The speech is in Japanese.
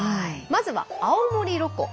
まずは青森ロコ